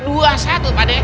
dua satu pade